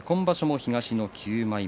東の９枚目。